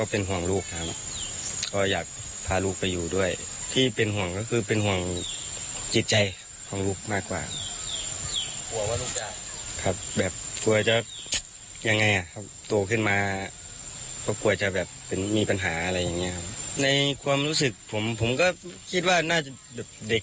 ผมก็คิดว่าน่าจะเป็นเด็กเล่นกันอะไรแบบนี้นะครับ